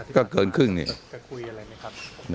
ก็เกินครึ่งอย่างนี้